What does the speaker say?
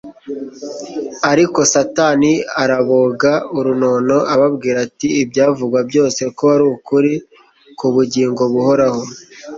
ariko Satani araboga runono ababwira ati: Ibyavugwa byose ko ari ukuri ku bugingo buhoraho;